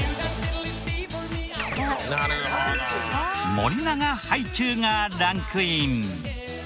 森永ハイチュウがランクイン！